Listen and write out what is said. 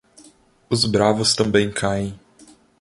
Os bravos também caem.